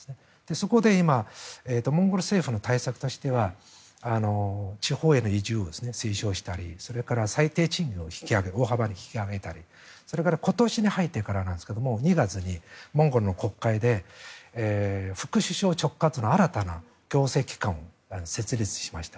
そこで今モンゴル政府の対策としては地方への移住を推奨したりそれから最低賃金を大幅に引き上げたりそれから今年に入ってからですが２月にモンゴルの国会で副首相直轄の新たな行政機関を設立しました。